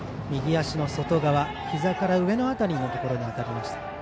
右足の外側、ひざから上の辺りのところに当たりました。